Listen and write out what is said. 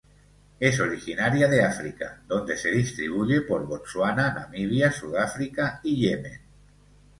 Es originaria de África, donde se distribuye por Botsuana, Namibia, Sudáfrica y Yemen.